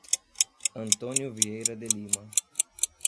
Antônio Vieira de Lima